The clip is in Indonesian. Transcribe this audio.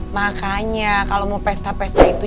makanya kalau mau pesta pesta itu